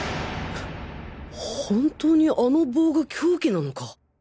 本当にあの棒が凶器なのか！？